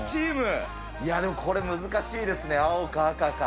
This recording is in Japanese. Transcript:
いやでも、これ難しいですね、青か赤か。